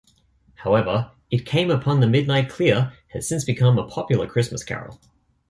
However, "It Came Upon the Midnight Clear" has since become a popular Christmas carol.